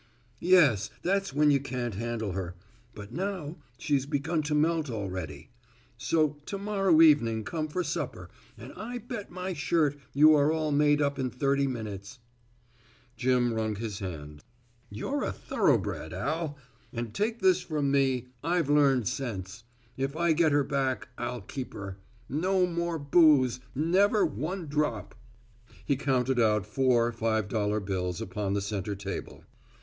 "Yes, that's when you can't handle her. But now, she's begun to melt already. So to morrow evening come for supper, and I bet my shirt you are all made up in thirty minutes." Jim wrung his hand. "You're a thoroughbred, Al and take this from me now, I've learned sense. If I get her back, I'll keep her. No more booze, never one drop." He counted out four five dollar bills upon the center table.